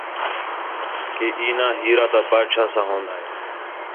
کہ ایناں ہیرا تا بادشاہ ساں ہون٘دا ہِے